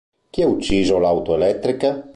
Chi ha ucciso l'auto elettrica?